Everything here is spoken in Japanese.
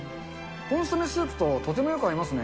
コンソメスープととてもよく合いますね。